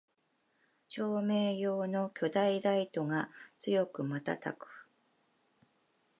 照明用の巨大ライトが強くまたたく